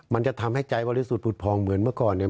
มันจะทำให้ใจบริสุทธิ์ผุดพองเหมือนเมื่อก่อนเนี่ย